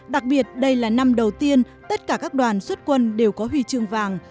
đặc biệt đây là năm đầu tiên tất cả các đoàn xuất quân đều có huy chương vàng